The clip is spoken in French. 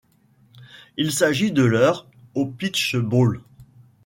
Il s'agit de leur au Peach Bowl.